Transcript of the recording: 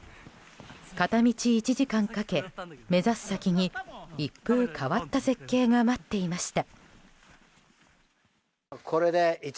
片道１時間かけ、目指す先に一風変わった絶景が待っていました。